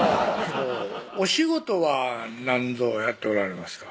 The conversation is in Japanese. お仕事はなんぞやっておられますか？